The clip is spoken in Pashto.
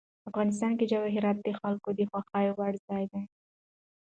افغانستان کې جواهرات د خلکو د خوښې وړ ځای دی.